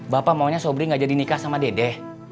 bapak maunya sobri gak jadi nikah sama dede